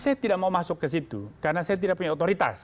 saya tidak mau masuk ke situ karena saya tidak punya otoritas